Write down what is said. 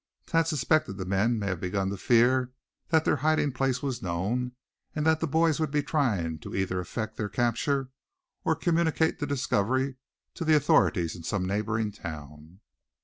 Thad suspected the men may have begun to fear that their hiding place was known, and that the boys would be trying to either effect their capture, or communicate their discovery to the authorities in some neighboring town.